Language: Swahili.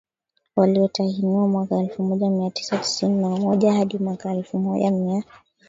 waliotahiniwa mwaka elfu moja mia tisa tisini na moja hadi mwaka elfu moja mia